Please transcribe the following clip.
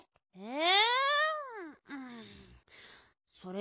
え？